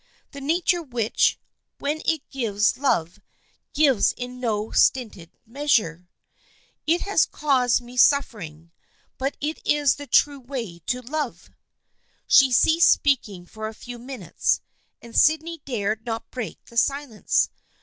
The nature which, when it gives love, gives in no stinted measure. It has caused me suffering, but it is the true way to love." She ceased speaking for a few minutes, and Sydney dared not break the silence.